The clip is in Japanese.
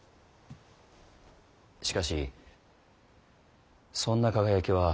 しかしそんな輝きは本来ない。